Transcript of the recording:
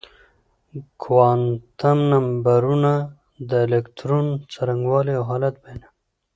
کوانتم نمبرونه د الکترون څرنګوالی او حالت بيانوي.